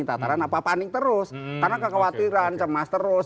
tataran apa panik terus karena kekhawatiran cemas terus